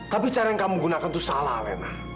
tapi cara yang kamu gunakan itu salah lena